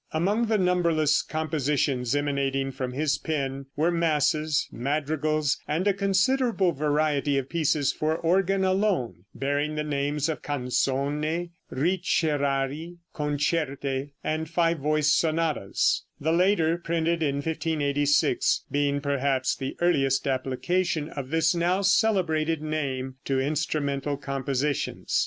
Among the numberless compositions emanating from his pen were masses, madrigals, and a considerable variety of pieces for organ alone, bearing the names of "Canzone," "Ricerari," "Concerte," and five voiced Sonatas, the latter printed in 1586, being perhaps the earliest application of this now celebrated name to instrumental compositions.